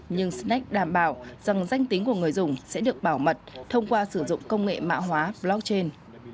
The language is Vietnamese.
nhưng snack đảm bảo rằng danh tính của người dùng sẽ được bảo mật thông qua sử dụng công nghệ mạng hóa blockchain